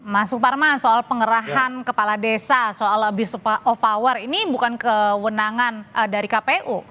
mas suparman soal pengerahan kepala desa soal abuse of power ini bukan kewenangan dari kpu